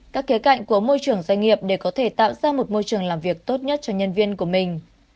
của môi trường doanh nghiệp để có thể tạo ra một môi trường làm việc tốt nhất cho nhân viên của mình